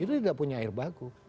itu tidak punya air baku